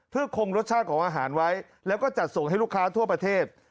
เพื่อคงรสชาติของอาหารไว้แล้วก็จัดส่งให้ลูกค้าทั่วประเทศ